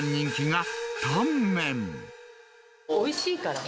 おいしいからね。